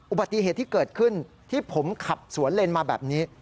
อุบัติเหตุที่เกิดขึ้นที่ผมขับสวนเลนมาแบบนี้